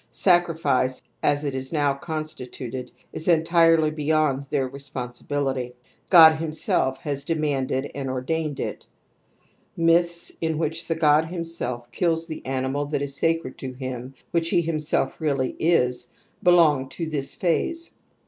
Sacrifice, as it is now constituted, is entirely beyond their respon sibility i God himself has demanded and or dained it. Myths in which the god himself kills the animal that is sacred to him, which he him self really is, belong to this phase.